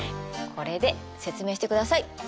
これで説明してください。